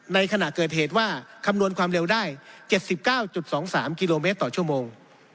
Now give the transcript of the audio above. ในขณะเกิดเหตุว่าคำนวณความเร็วได้๗๙๒๓กิโลเมตรต่อชั่วโมง